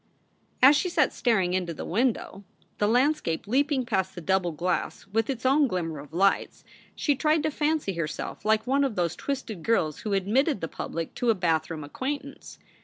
As she sat staring into the window, the landscape leaping past the double glass with its own glimmer of lights, she tried to fancy herself like one of those twisted girls who admitted the public to a bathroom acquaintance.